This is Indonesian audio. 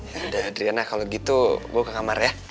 yaudah adriana kalo gitu gue ke kamar ya